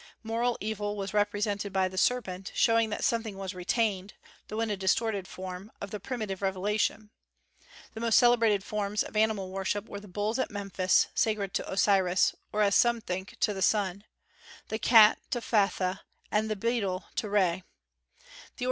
Moral evil was represented by the serpent, showing that something was retained, though in a distorted form, of the primitive revelation. The most celebrated forms of animal worship were the bulls at Memphis, sacred to Osiris, or, as some think, to the sun; the cat to Phtha, and the beetle to Re.